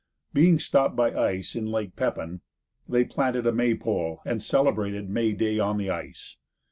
Being stopped by ice in Lake Pepin, they planted a May pole and celebrated May day on the ice.